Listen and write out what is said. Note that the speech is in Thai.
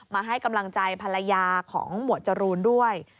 มาให้กำลังใจภรรยาของหมวดจรูนด้วย